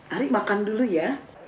ari makan dulu ya